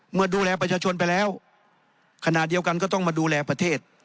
ดูแลประชาชนไปแล้วขณะเดียวกันก็ต้องมาดูแลประเทศ